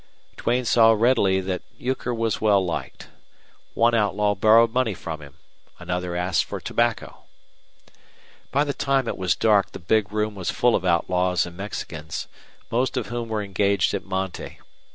Duane saw readily that Euchre was well liked. One outlaw borrowed money from him: another asked for tobacco. By the time it was dark the big room was full of outlaws and Mexicans, most of whom were engaged at monte.